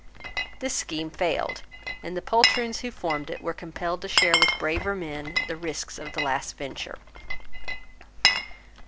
This scheme failed; and the poltroons who had formed it were compelled to share with braver men the risks of the last venture.